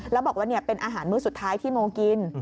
แล้วบอกว่าเป็นอาหารมื้อสุดท้ายที่โมกิน